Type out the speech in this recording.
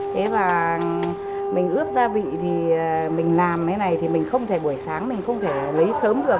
thế và mình ướp gia vị thì mình làm cái này thì mình không thể buổi sáng mình không thể lấy sớm được